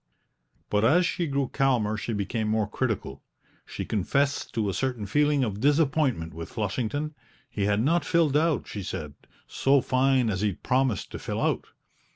But as she grew calmer she became more critical; she confessed to a certain feeling of disappointment with Flushington; he had not filled out, she said, "so fine as he'd promised to fill out."